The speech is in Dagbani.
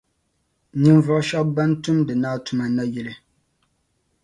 Ninvuɣu shεba ban tumdi Naa tuma nayili